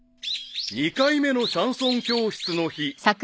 ［２回目のシャンソン教室の日］